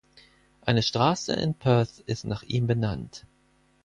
Eine Straße in Perth ist nach ihm benannt.